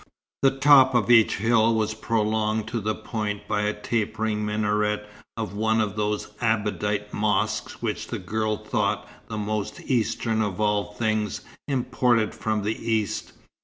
The top of each hill was prolonged to a point by the tapering minaret of one of those Abadite mosques which the girl thought the most Eastern of all things imported from the East.